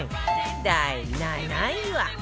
第７位は